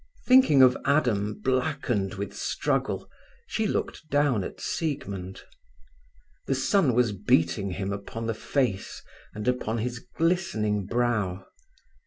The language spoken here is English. Thinking of Adam blackened with struggle, she looked down at Siegmund. The sun was beating him upon the face and upon his glistening brow.